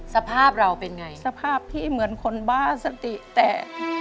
สภาพเราเป็นไงสภาพที่เหมือนคนบ้าสติแตก